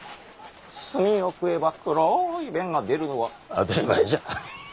炭を食えば黒い便が出るのは当たり前じゃ。